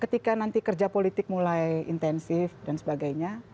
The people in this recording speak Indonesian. ketika nanti kerja politik mulai intensif dan sebagainya